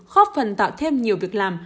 khóp phần tạo thêm nhiều việc làm